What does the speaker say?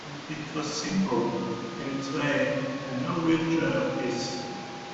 It was simple, in its way, and no virtue of his.